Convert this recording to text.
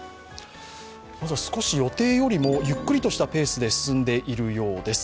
まずは少し予定よりもゆっくりとしたペースで進んでいるようです。